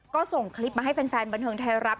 ก็ส่งคลิปมาให้แฟนบันเทิงไทยรัฐ